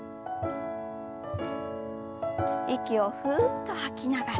息をふっと吐きながら。